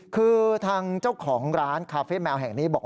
คือทางเจ้าของร้านคาเฟ่แมวแห่งนี้บอก